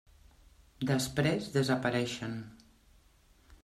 Després desapareixen.